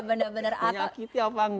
menyakiti apa enggak